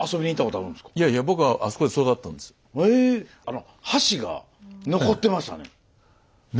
あの橋が残ってましたね。